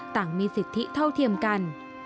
มีสิทธิเท่าเทียมกัน